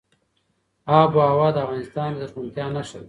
آب وهوا د افغانستان د زرغونتیا نښه ده.